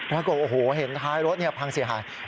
แล้วก็เห็นท้ายรถพังเสียหาย